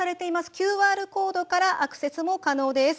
ＱＲコードからアクセスも可能です。